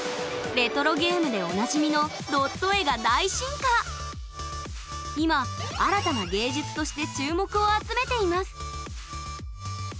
レトロゲームでおなじみの今新たな芸術として注目を集めています！